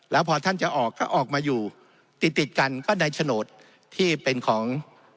แล้วพอท่านจะออกก็ออกมาอยู่ติดติดกันก็ได้โฉนดที่เป็นของ